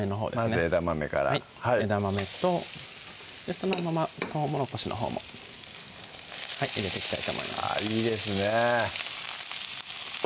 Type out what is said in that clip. まず枝豆から枝豆とそのままとうもろこしのほうも入れていきたいと思いますいいですね